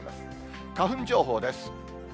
花粉情報です。